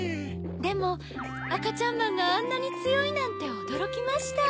でもあかちゃんまんがあんなにつよいなんておどろきました。